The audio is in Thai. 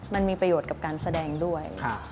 มันมีประโยชน์กับการแสดงด้วย